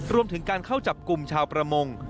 รวมถึงการเข้าจับกลุ่มชาวประมง